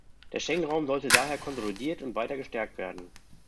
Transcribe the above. Der Schengen-Raum sollte daher konsolidiert und weiter gestärkt werden.